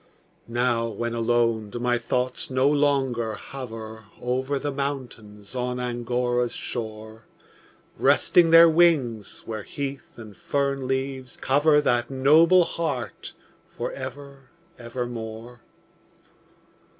Now, when alone, do my thoughts no longer hover Over the mountains on Angora's shore, Resting their wings, where heath and fern leaves cover That noble heart for ever, ever more?